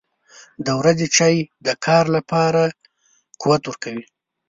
• د ورځې چای د کار لپاره قوت ورکوي.